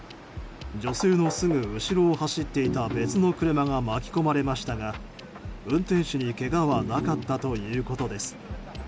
女性のすぐ後ろを走っていた別の車が巻き込まれましたが運転手にけがはなかったということです。